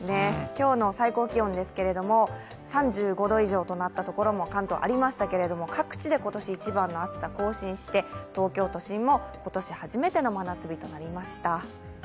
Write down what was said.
今日の最高気温ですけれども、３５度以上となった所も関東ありましたけど、各地で今年一番の暑さを更新して、東京都心も今年初めての真夏日となりました。